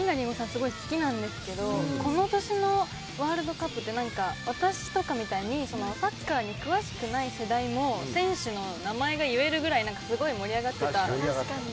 すごい好きなんですけどこの年のワールドカップって私とかみたいにサッカーに詳しくない世代も選手の名前が言えるぐらいすごい盛り上がってた記憶があって。